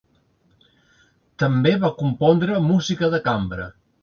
També va compondre música de cambra.